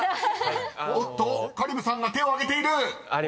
［おっと⁉香里武さんが手を挙げている］